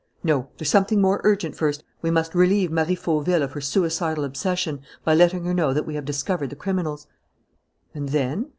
"No. There's something more urgent first: we must relieve Marie Fauville of her suicidal obsession by letting her know that we have discovered the criminals." "And then?"